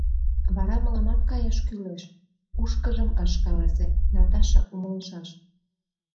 Вара мыламат каяш кӱлеш... — кушкыжым ыш каласе, Наташа умылышаш.